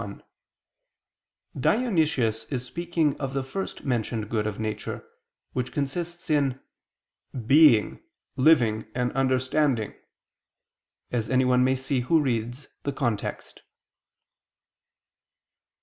1: Dionysius is speaking of the first mentioned good of nature, which consists in "being, living and understanding," as anyone may see who reads the context.